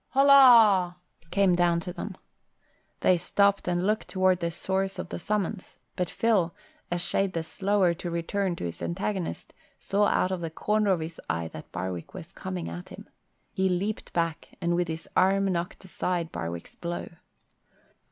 Holla!" came down to them. They stopped and looked toward the source of the summons, but Phil, a shade the slower to return to his antagonist, saw out of the corner of his eye that Barwick was coming at him. He leaped back and with his arm knocked aside Barwick's blow.